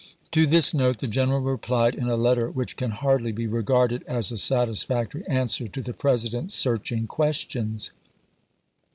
To this note the general replied in a letter which can hardly be regarded as a satisfactory answer to the President's searching questions.